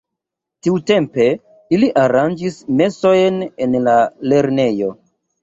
Tiutempe ili aranĝis mesojn en la lernejo.